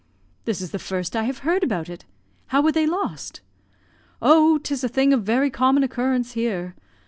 "This is the first I have heard about it. How were they lost?" "Oh, 'tis a thing of very common occurrence here.